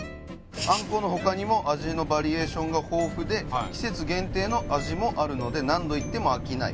あんこの他にも味のバリエーションが豊富で季節限定の味もあるので何度行っても飽きない。